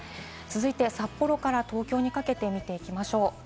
札幌から東京にかけて見ていきましょう。